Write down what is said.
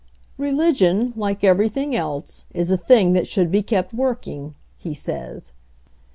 "Religion, like everything else, is a thing that should be kept working," he says.